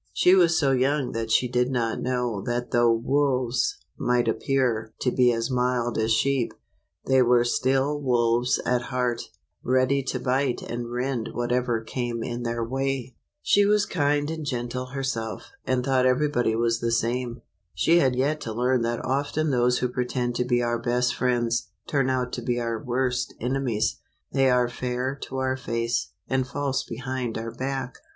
She was so young that she did not know that though wolves might appear to be as mild as sheep, they were still wolves at heart, ready to bite and rend whatever came in their way. She was 49 A RACE TO THE COTTAGE. LITTLE RED RIDING HOOD. kind and gentle herself, and thought everybody was the same. She had yet to learn that often those who pretend to be our best friends, turn out to be our worst enemies. They are fair to our face, and false behind our back.